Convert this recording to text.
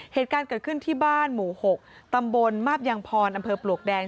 เหตุการณ์เกิดขึ้นที่บ้านหมู่๖ตำบลมาบยังพรอำเภอปลวกแดง